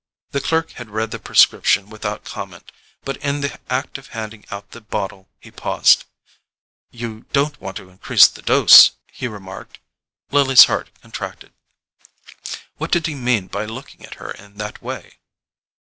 The clerk had read the prescription without comment; but in the act of handing out the bottle he paused. "You don't want to increase the dose, you know," he remarked. Lily's heart contracted. What did he mean by looking at her in that way?